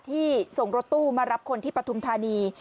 ส่งรถตู้มารับคนที่ปฐุมธานี